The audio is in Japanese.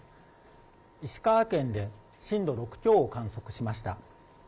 石川県で震度６強を観測しました。